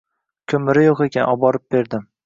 Ko‘miri yo‘q ekan, oborib berdim.